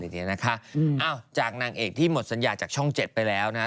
เดี๋ยวจากนางเอกที่หมดสัญญาจากช่อง๗ไปแล้วนะ